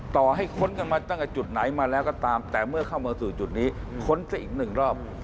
ต่อให้ค้นกันมาตั้งแต่จุดไหนมาแล้วก็ตามแต่เมื่อเข้ามาสู่จุดนี้ค้นซะอีกหนึ่งรอบ